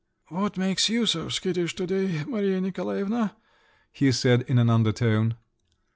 "What makes you so skittish to day, Maria Nikolaevna?" he said in an undertone.